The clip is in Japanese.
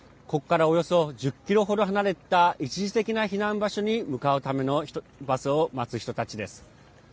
ここからおよそ１０キロほど離れた一時的な避難場所に向かうためのバスを待つ人たちです。